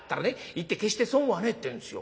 『行って決して損はねえ』ってんですよ。